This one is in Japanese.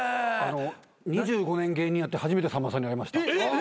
２５年芸人やって初めてさんまさんに会いました。